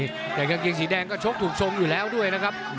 ตอนนี้กางเกียงสีแดงก็โชคถูกทรงอยู่แล้วด้วยนะครับ